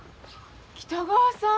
北川さん。